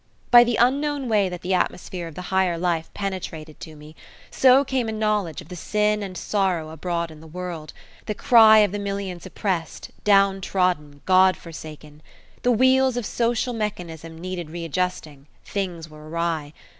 By the unknown way that the atmosphere of the higher life penetrated to me, so came a knowledge of the sin and sorrow abroad in the world the cry of the millions oppressed, downtrodden, God forsaken! The wheels of social mechanism needed readjusting things were awry.